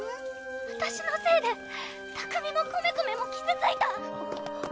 あたしのせいで拓海もコメコメも傷ついた！